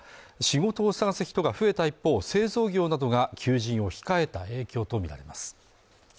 仕事を探す人が増えた一方製造業などが求人を控えた影響とみられます